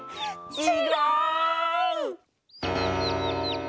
ちがう！